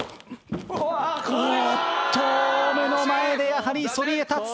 おっと目の前でやはりそびえ立つ。